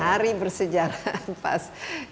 hari bersejarah pas